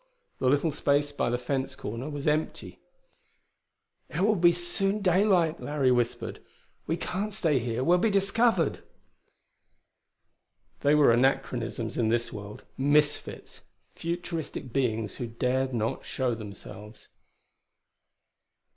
The little space by the fence corner was empty. "It will soon be daylight," Larry whispered. "We can't stay here: we'll be discovered." They were anachronisms in this world; misfits; futuristic beings who dared not show themselves.